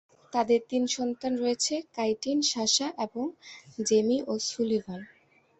তাদের তিন সন্তান রয়েছে, কাইটিন, সাশা এবং জেমি ও'সুলিভান।